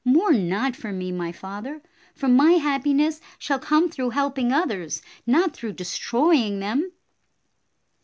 Mourn not for. me, my father, for my happiness shall come through helping others, not through destroying them."